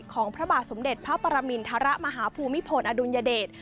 พระบาทสมเด็จพระปรมินทรมาฮภูมิพลอดุลยเดช